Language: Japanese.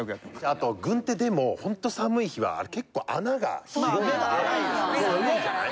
あと軍手でもほんと寒い日は結構穴が広いんで寒いじゃない。